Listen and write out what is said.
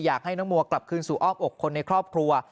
อยากให้น้องมัวกลับคืนสู่อ้อมอกคนในครอบครัว